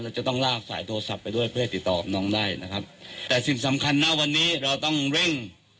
จะต้องลากสายโทรศัพท์ไปด้วยเพื่อให้ติดต่อกับน้องได้นะครับแต่สิ่งสำคัญนะวันนี้เราต้องเร่ง